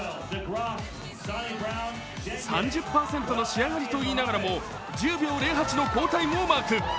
３０％の仕上がりと言いながらも１０秒０８の好タイム。